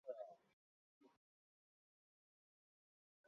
墨脱吊石苣苔为苦苣苔科吊石苣苔属下的一个种。